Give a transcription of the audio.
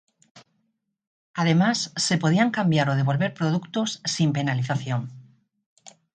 Además, se podían cambiar o devolver productos sin Penalización.